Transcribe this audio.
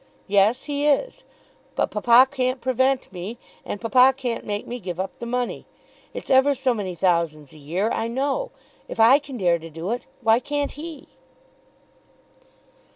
"Yes, he is; but papa can't prevent me, and papa can't make me give up the money. It's ever so many thousands a year, I know. If I can dare to do it, why can't he?"